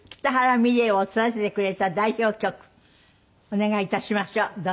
ミレイを育ててくれた代表曲お願い致しましょう。